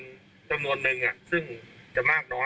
แต่ว่ามีการนำเข้ามา